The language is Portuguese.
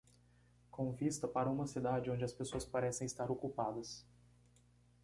Com vista para uma cidade onde as pessoas parecem estar ocupadas.